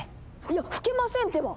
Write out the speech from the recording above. いや吹けませんってば！